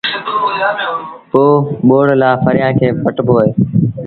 پو ٻوڙ لآ ڦريآݩ کي پٽبو اهي